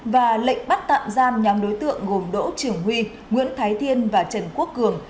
và lệnh bắt tạm giam nhóm đối tượng gồm đỗ trường huy nguyễn thái thiên và trần quốc cường